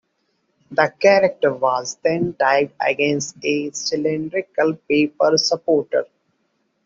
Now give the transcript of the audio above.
The character was then typed against a cylindrical paper supporter.